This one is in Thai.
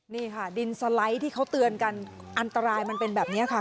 นี่ค่ะดินสไลด์ที่เขาเตือนกันอันตรายมันเป็นแบบนี้ค่ะ